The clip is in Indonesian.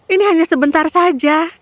ini hanya sebentar saja